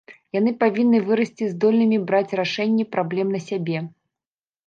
Яны павінны вырасці здольнымі браць рашэнне праблем на сябе.